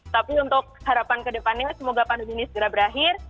tapi untuk harapan kedepannya semoga pandemi ini segera berakhir